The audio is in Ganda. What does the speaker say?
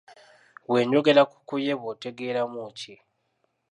Bwe njogera ku kuyeba otegeeramu ki?